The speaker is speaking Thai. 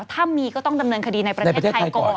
ถ้ามีก็ต้องดำเนินคดีในประเทศไทยก่อน